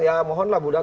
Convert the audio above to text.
ya mohonlah mudah